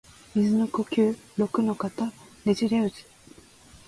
水の呼吸陸ノ型ねじれ渦（ろくのかたねじれうず）